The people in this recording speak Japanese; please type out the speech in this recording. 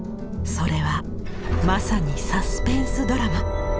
それはまさにサスペンスドラマ。